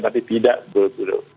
tapi tidak berguna